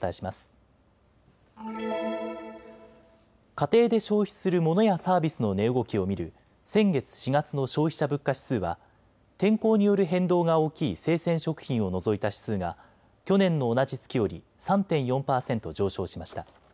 家庭で消費するモノやサービスの値動きを見る先月、４月の消費者物価指数は天候による変動が大きい生鮮食品を除いた指数が去年の同じ月より３．４％上昇しました。